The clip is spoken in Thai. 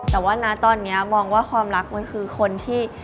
แต่ว่านะตอนนี้มองว่าความรักมันคือคนที่